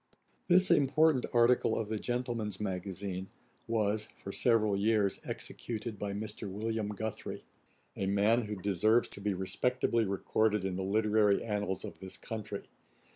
] This important article of the Gentleman's Magazine was, for several years, executed by Mr. William Guthrie, a man who deserves to be respectably recorded in the literary annals of this country.